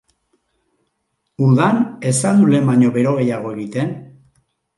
Udan ez al du lehen baino bero gehiago egiten?